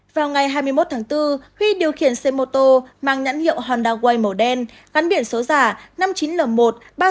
vào ngày hai mươi một tháng bốn huy điều khiển xe mô tô mang nhãn hiệu honda way màu đen gắn biển số giả năm mươi chín l một ba nghìn sáu trăm bốn mươi ba